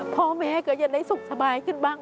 พ่อแม่ก็จะได้สุขสบายขึ้นบ้าง